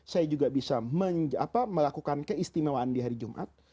saya juga bisa melakukan keistimewaan di hari jumat